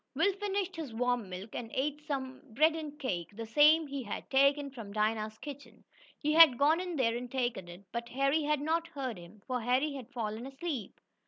Will finished his warm milk, and ate some bread and cake the same he had taken from Dinah's kitchen. He had gone in there and taken it, but Harry had not heard him, for Harry had fallen asleep.